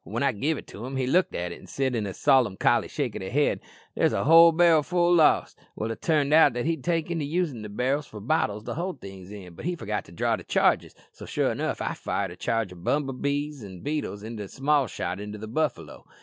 When I gave it to him he looked at it, an' said with a solemcholy shake o' the head, 'There's a whole barrel full lost!' It turned out that he had taken to usin' the barrels for bottles to hold things in, but he forgot to draw the charges, so sure enough I had fired a charge o' bum bees an' beetles an' small shot into the buffalo!